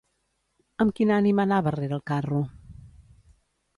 Amb quin ànim anava rere el carro?